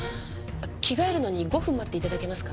着替えるのに５分待って頂けますか？